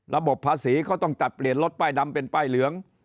ภาษีเขาต้องตัดเปลี่ยนรถป้ายดำเป็นป้ายเหลือง